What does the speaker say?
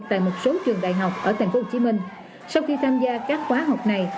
tại một số trường đại học ở tp hcm sau khi tham gia các khóa học này